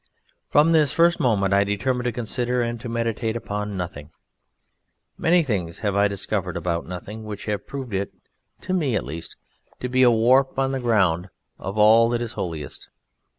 From this first moment I determined to consider and to meditate upon Nothing. Many things have I discovered about Nothing, which have proved it to me at least to be the warp or ground of all that is holiest.